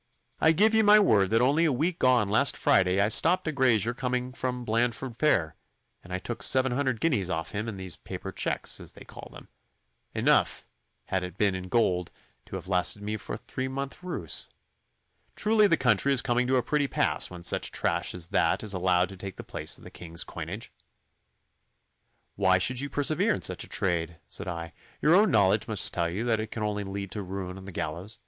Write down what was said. I give ye my word that only a week gone last Friday I stopped a grazier coming from Blandford fair, and I took seven hundred guineas off him in these paper cheques, as they call them enough, had it been in gold, to have lasted me for a three month rouse. Truly the country is coming to a pretty pass when such trash as that is allowed to take the place of the King's coinage.' 'Why should you persevere in such a trade?' said I. 'Your own knowledge must tell you that it can only lead to ruin and the gallows.